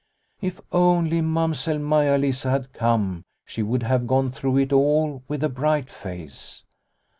If only Mamsell Maia Lisa had come she would have gone through it all with a bright face.